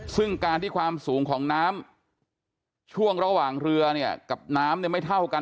ซึ่งการที่ความสูงของน้ำช่วงระหว่างเรือเนี่ยกับน้ำเนี่ยไม่เท่ากัน